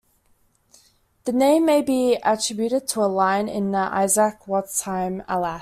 The name may be attributed to a line in the Isaac Watts hymn Alas!